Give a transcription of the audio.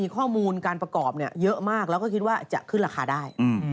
ข้อมูลการประกอบเยอะมากแล้วก็คิดว่าจะขึ้นราคาได้